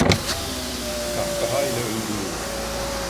Kahkahayla öldürürüm…